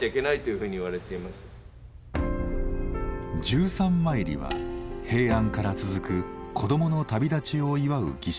十三まいりは平安から続く子供の旅立ちを祝う儀式。